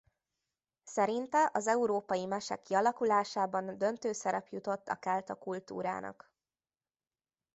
Szerinte az európai mese kialakulásában döntő szerep jutott a kelta kultúrának.